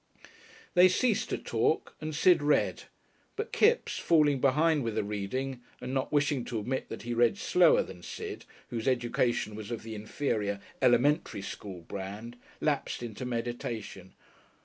They ceased to talk, and Sid read; but Kipps falling behind with the reading and not wishing to admit that he read slowlier than Sid, whose education was of the inferior elementary school brand, lapsed into meditation.